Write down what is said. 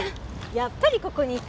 やっぱりここにいた。